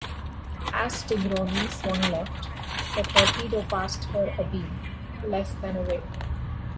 As "Tigrone" swung left, the torpedo passed her abeam, less than away.